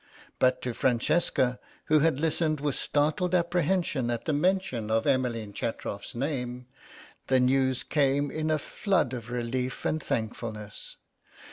But to Francesca, who had listened with startled apprehension at the mention of Emmeline Chetrof's name, the news came in a flood of relief and thankfulness.